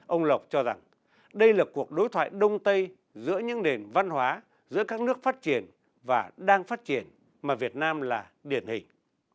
ông lộc cho rằng đây là cuộc đối thoại đông tây giữa những nền văn hóa giữa các nước phát triển và đang phát triển mà việt nam là điển hình